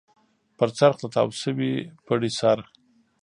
پر څرخ د تاو شوي پړي سر.